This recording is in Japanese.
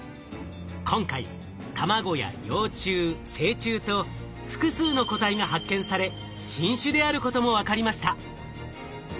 今回卵や幼虫成虫と複数の個体が発見され新種であることも分かりました。